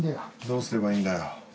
どうすればいいんだよ？